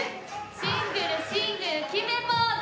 シングルシングル決めポーズ！